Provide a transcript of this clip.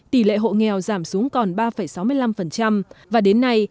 tỷ lệ hộ nghèo giảm xuống còn ba sáu mươi năm và đến nay